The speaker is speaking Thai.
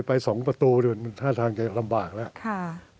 พอไปสองประตูด้วยหน้าทางจะลำบากแล้ว